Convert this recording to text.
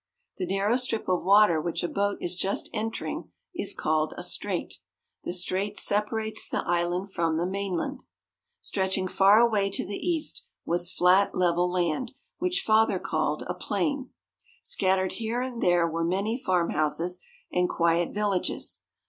"The narrow strip of water, which a boat is just entering, is called a strait. The strait separates the island from the mainland." Stretching far away to the east was flat, level land, which father called a plain. Scattered here and there were many farmhouses and quiet villages.